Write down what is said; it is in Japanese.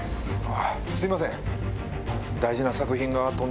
すいません。